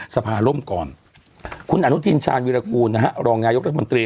สภาล่มก่อนคุณอนุทินชาญวิรากูลนะฮะรองนายกรัฐมนตรี